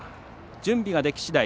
準備ができしだい